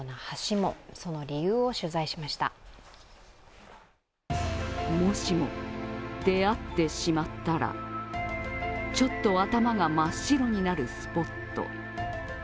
もしも出会ってしまったらちょっと頭が真っ白になるスポット。